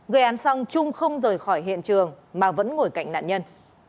gây án xong trung không rời khỏi hiện trường mà vẫn ngồi cạnh nạn nhân